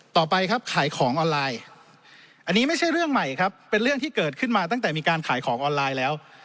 ต่อไปครับขายของออนไลน์อันนี้ไม่ใช่เรื่องใหม่ครับเป็นเรื่องที่เกิดขึ้นมาตั้งแต่มีการขายของออนไลน์แล้ว